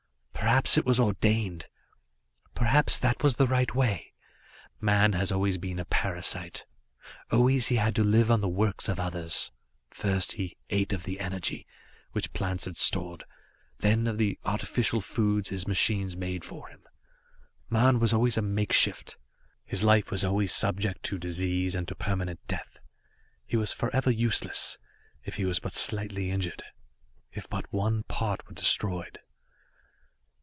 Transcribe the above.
"Perhaps it was ordained; perhaps that was the right way. Man has always been a parasite; always he had to live on the works of others. First, he ate of the energy, which plants had stored, then of the artificial foods his machines made for him. Man was always a makeshift; his life was always subject to disease and to permanent death. He was forever useless if he was but slightly injured; if but one part were destroyed.